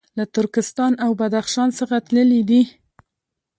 له ترکستان او بدخشان څخه تللي دي.